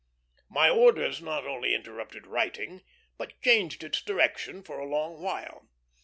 My orders not only interrupted writing, but changed its direction for a long while.